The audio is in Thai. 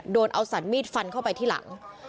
โดนเอาสันมีดฟันเข้าไปที่หลัง